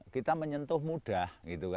kita menyentuh mudah